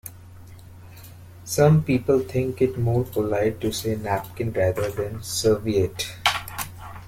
Some people think it more polite to say napkin rather than serviette